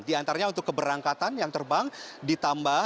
di antaranya untuk keberangkatan yang terbang ditambah